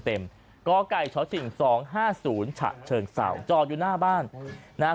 เกาะไก่เฉาะสิ่งสองห้าศูนย์ฉะเชิงเศร้าจอดอยู่หน้าบ้านนะฮะ